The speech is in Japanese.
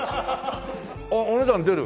あっお値段出る？